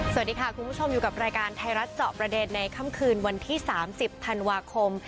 สวัสดีค่ะคุณผู้ชมอยู่กับรายการไทยรัฐเจาะประเด็นในค่ำคืนวันที่๓๐ธันวาคม